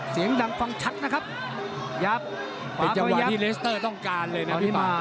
เสียงดังฟังชัดนะครับยับเป็นจังหวะที่เลสเตอร์ต้องการเลยนะพี่ป่า